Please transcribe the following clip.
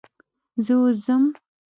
زه اوس ځم.